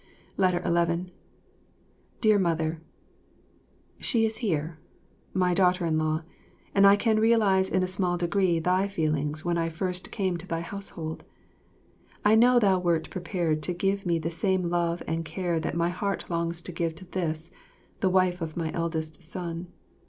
11 Dear Mother, She is here, my daughter in law, and I can realise in a small degree thy feelings when I first came to thy household. I know thou wert prepared to give me the same love and care that my heart longs to give to this, the wife of my eldest son.